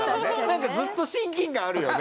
なんかずっと親近感あるよね